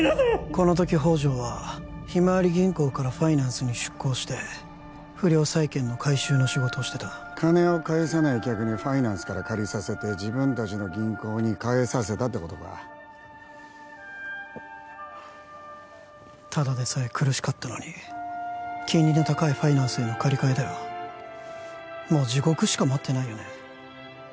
この時宝条はひまわり銀行からファイナンスに出向して不良債権の回収の仕事をしてた金を返さない客にファイナンスから借りさせて自分達の銀行に返させたってことかただでさえ苦しかったのに金利の高いファイナンスへの借り換えだよもう地獄しか待ってないよね